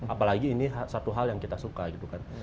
apalagi ini satu hal yang kita suka gitu kan